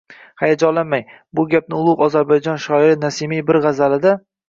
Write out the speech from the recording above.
– Hayajonlanmang, bu gapni ulug’ Ozarbayjon shoiri Nasimiy bir g’azalida: